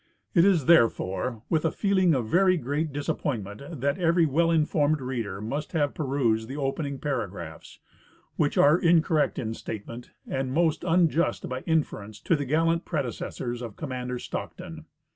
It is therefore with a feeling of very great disappointment that every well informed reader must have perused the opening paragraphs, which are incorrect in statement and most unjust by inference to the gallant predecessors of Commander Stockton.